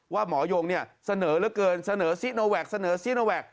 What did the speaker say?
หมอยงเนี่ยเสนอเหลือเกินเสนอซิโนแวคเสนอซิโนแวค